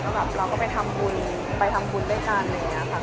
ก็แบบเราก็ไปทำบุญไปทำบุญด้วยกันแล้วก็แบบไปขอพร๕๕๕๕